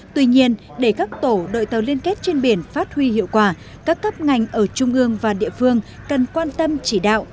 tuy nhiên để các tổ đội tàu liên kết trên biển phát huy hiệu quả các cấp ngành ở trung ương và địa phương cần quan tâm chỉ đạo